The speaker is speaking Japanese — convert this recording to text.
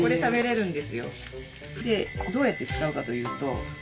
でどうやって使うかというと。